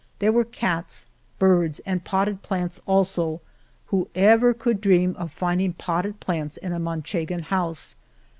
There were cats, birds, and potted plants also — ^who ever would dream of finding potted plants in a Manchegan house